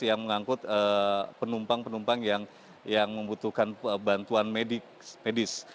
yang mengangkut penumpang penumpang yang membutuhkan bantuan medis